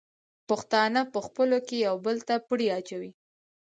پښتانه په خپلو کې یو بل ته پړی اچوي.